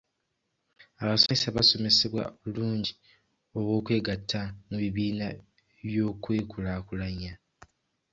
Abasomesa basomesebwa obulungi bw'okwegatta mu bibiina by'okwekulaakulanya.